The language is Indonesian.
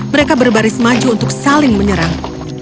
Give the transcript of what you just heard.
mereka berbaris maju untuk saling menyerang